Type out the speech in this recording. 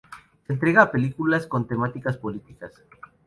Se entrega a películas con temáticas políticas.